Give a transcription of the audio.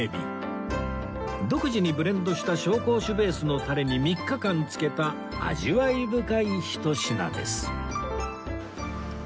独自にブレンドした紹興酒べースのタレに３日間つけた味わい深いひと品です